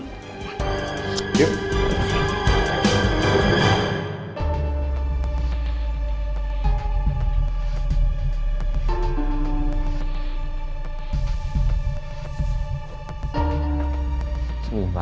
gampang kan far kernel pilih